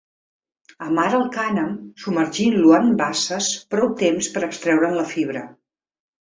Amara el cànem submergint-lo en basses prou temps per extreure'n la fibra.